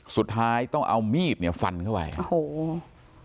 สุดท้ายต้องเอามีดเนี่ยฟันเข้าไปโอ้โห